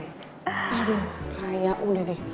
aduh raya udah deh